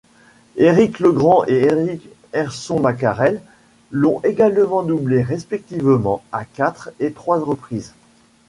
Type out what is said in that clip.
Éric Legrand et Éric Herson-Macarel l'ont également doublé respectivement à quatre et trois reprises.